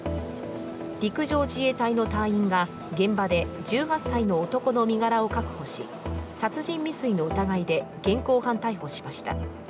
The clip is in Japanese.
陸上自衛隊の隊員が現場で１８歳の男の身柄を確保し、殺人未遂の疑いで現行犯逮捕しました。